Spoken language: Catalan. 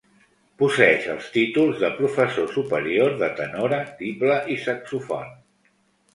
Posseeix els títols de professor superior de tenora, tible i saxòfon.